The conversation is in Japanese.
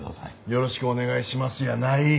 よろしくお願いしますやない！